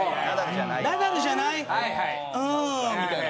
「ナダルじゃない。うーん」みたいな。